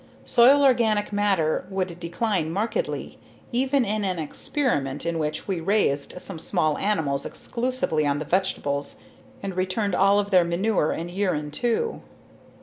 Soil organic matter would decline markedly even in an experiment in which we raised some small animals exclusively on the vegetables and returned all of their manure and urine too.